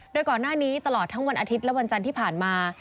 โดยก่อนหน้านี้ตลอดทั้งวันอาทิตย์และวันจันทร์ที่ผ่านมา